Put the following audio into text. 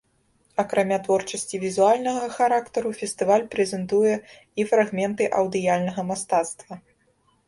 Акрамя творчасці візуальнага характару, фестываль прэзентуе і фрагменты аўдыяльнага мастацтва.